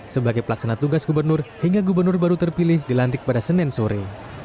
sebagai pelaksana tugas gubernur hingga gubernur baru terpilih dilantik pada senin sore